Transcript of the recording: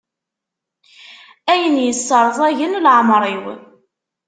Ayen yesserẓagen leɛmeṛ-iw.